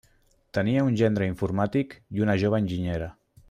Tenia un gendre informàtic i una jove enginyera.